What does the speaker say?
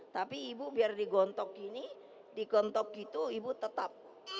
tapi ibu biar digontok gini digontok gitu ibu tetap